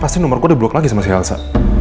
pasti nomer gue diblok lagi sama si elsa